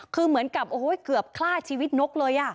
คือเหมือนกับเกือบคล่าชีวิตนกเลย